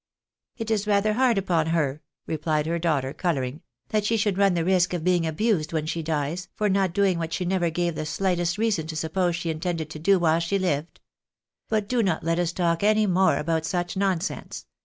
" It is rather hard upon her," replied her daughter, colouring, "that she should run the risk of being abused when she dies, for not doing what she never gave the slightest reason to suppose she intended to do while she lived. But do not let us talk any more about such nonsense.